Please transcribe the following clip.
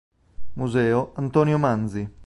Museo Antonio Manzi.